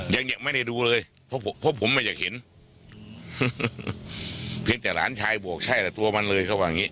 แล้วคิดว่าเขาจำผิดตัวมั้ย